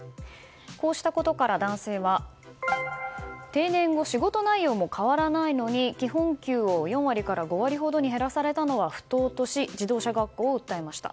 こうしたことから、男性は定年後仕事内容も変わらないのに基本給を４割から５割ほどに減らされたのは不当とし自動車学校を訴えました。